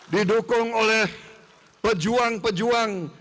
didukung oleh pejuang pejuang